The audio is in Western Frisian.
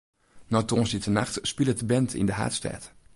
No tongersdeitenacht spilet de band yn de haadstêd.